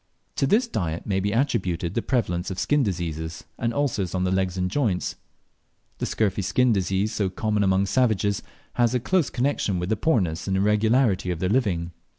To this diet may be attributed the prevalence of skin diseases, and ulcers on the legs and joints. The scurfy skin disease so common among savages has a close connexion with the poorness and irregularity of their living.